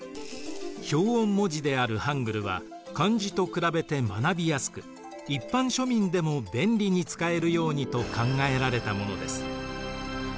表音文字であるハングルは漢字と比べて学びやすく一般庶民でも便利に使えるようにと考えられたものです。